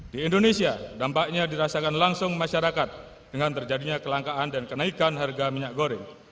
di indonesia dampaknya dirasakan langsung masyarakat dengan terjadinya kelangkaan dan kenaikan harga minyak goreng